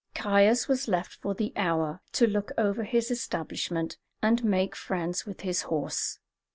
Caius was left for the hour to look over his establishment and make friends with his horse.